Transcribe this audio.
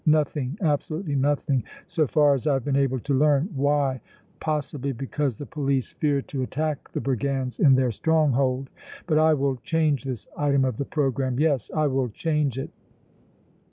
Nothing, absolutely nothing, so far as I have been able to learn! Why? Possibly because the police fear to attack the brigands in their stronghold! But I will change this item of the programme yes, I will change it!